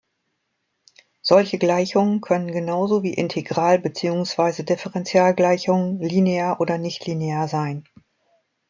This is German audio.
Solche Gleichungen können genauso wie Integral- beziehungsweise Differenzialgleichungen linear oder nichtlinear sein.